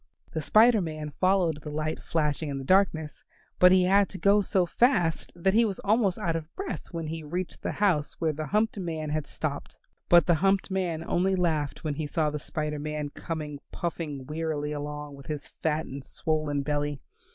The Spider Man followed the light flashing in the darkness, but he had to go so fast that he was almost out of breath when he reached the house where the humped man had stopped. But the humped man only laughed when he saw the Spider Man coming puffing wearily along with his fat and swollen belly.